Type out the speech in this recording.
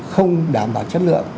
không đảm bảo chất lượng